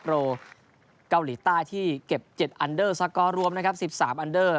โรเกาหลีใต้ที่เก็บ๗อันเดอร์สกอร์รวมนะครับ๑๓อันเดอร์